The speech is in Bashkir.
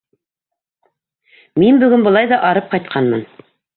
Мин бөгөн былай ҙа арып ҡайтҡанмын.